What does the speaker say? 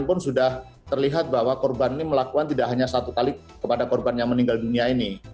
walaupun sudah terlihat bahwa korban ini melakukan tidak hanya satu kali kepada korban yang meninggal dunia ini